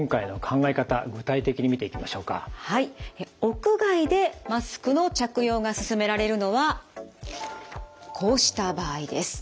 屋外でマスクの着用がすすめられるのはこうした場合です。